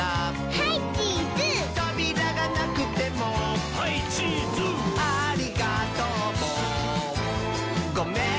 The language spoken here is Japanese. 「ハイチーズ」「とびらがなくても」「ハイチーズ」「ありがとうもごめんねも」